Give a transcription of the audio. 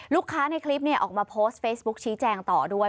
ในคลิปออกมาโพสต์เฟซบุ๊คชี้แจงต่อด้วย